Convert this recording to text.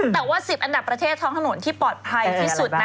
แต่ว่า๑๐อันดับประเทศท้องถนนที่ปลอดภัยที่สุดนะ